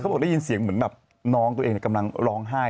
บอกได้ยินเสียงเหมือนแบบน้องตัวเองกำลังร้องไห้